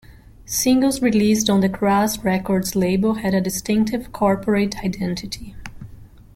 Singles released on the Crass Records label had a distinctive 'corporate identity'.